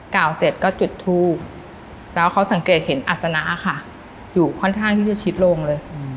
เสร็จก็จุดทูบแล้วเขาสังเกตเห็นอัศนะค่ะอยู่ค่อนข้างที่จะชิดลงเลย